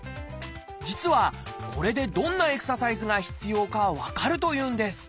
実はこれでどんなエクササイズが必要か分かるというんです。